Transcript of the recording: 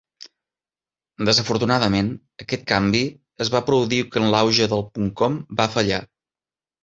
Desafortunadament, aquest canvi es va produir quan l'auge del .com va fallar.